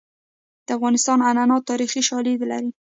د افغانستان عنعنات تاریخي شالید لري.